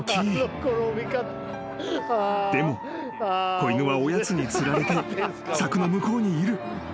子犬はおやつに釣られて柵の向こうにいる］